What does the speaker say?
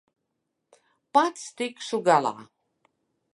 Pats tikšu galā.